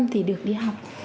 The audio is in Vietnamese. thì được đi học